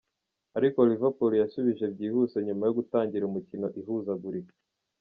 Ariko Liverpool yasubije byihuse nyuma yo gutangira umukino ihuzagurika.